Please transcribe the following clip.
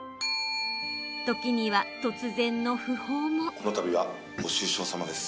時には、突然の訃報も。